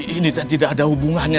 ini tidak ada hubungannya